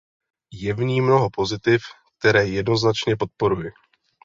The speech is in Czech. Je v ní mnoho pozitiv, které jednoznačně podporuji.